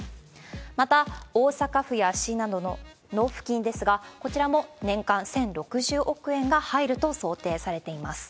また、大阪府や市などの納付金ですが、こちらも年間１０６０億円が入ると想定されています。